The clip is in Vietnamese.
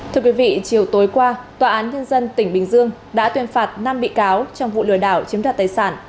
thưa quý vị chiều tối qua tòa án nhân dân tỉnh bình dương đã tuyên phạt năm bị cáo trong vụ lừa đảo chiếm đoạt tài sản